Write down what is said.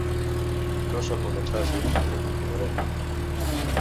No són moments fàcils, però continuarem.